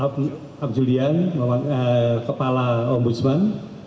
pak julian kepala ombudsman